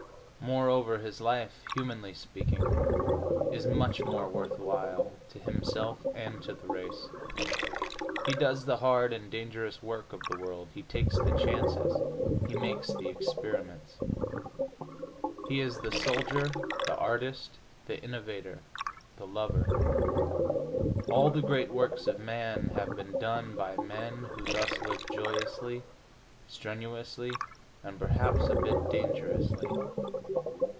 Moreover, his life, humanly speaking, is much more worth while, to himself and to the race. He does the hard and dangerous work of the world, he takes the chances, he makes the experiments. He is the soldier, the artist, the innovator, the lover. All the great works of man have been done by men who thus lived joyously, strenuously, and perhaps a bit dangerously.